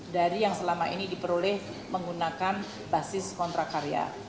dari yang selama ini diperoleh menggunakan basis kontrak karya